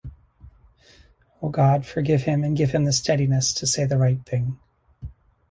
O God, forgive him and give him the steadiness to say the right thing.